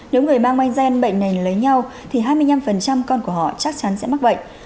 nếu người mang mayen bệnh này lấy nhau thì hai mươi năm con của họ chắc chắn sẽ mắc bệnh